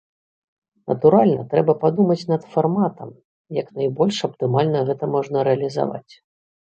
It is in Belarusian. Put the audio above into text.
Натуральна, трэба падумаць над фарматам, як найбольш аптымальна гэта можна рэалізаваць.